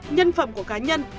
nhân phẩm của cá nhân